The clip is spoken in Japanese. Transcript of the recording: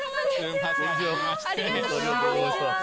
ありがとうございます！